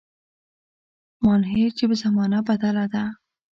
مانهیر چي زمانه بدله ده